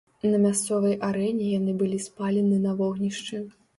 На мясцовай арэне яны былі спалены на вогнішчы.